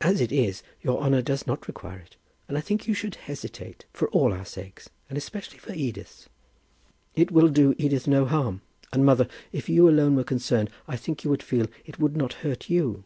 As it is, your honour does not require it, and I think you should hesitate, for all our sakes, and especially for Edith's." "It will do Edith no harm; and, mother, if you alone were concerned, I think you would feel that it would not hurt you."